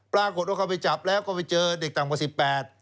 ปรากฏว่าเขาไปจับแล้วก็ไปเจอเด็กต่ำกว่า๑๘